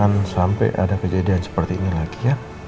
jangan sampai ada kejadian seperti ini lagi ya